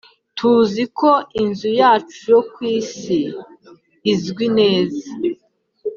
Tuzi ko inzu yacu yo ku isi izwi neza